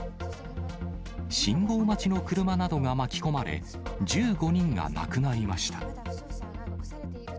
信号待ちの車などが巻き込まれ、１５人が亡くなりました。